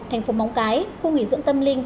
thành phố móng cái khu nghỉ dưỡng tâm linh